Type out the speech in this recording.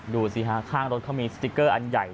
ดูสิฮะข้างรถเขามีสติ๊กเกอร์อันใหญ่